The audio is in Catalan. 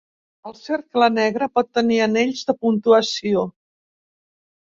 El cercle negre pot tenir anells de puntuació.